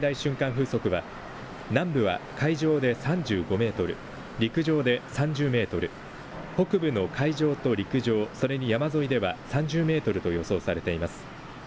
風速は南部は海上で３５メートル、陸上で３０メートル、北部の海上と陸上、それに山沿いでは３０メートルと予想されています。